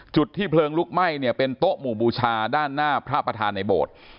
จุดที่เพลิงลุกไหม้เนี่ยเป็นโต๊ะหมู่บูชาด้านหน้าพระประธานในโบสถ์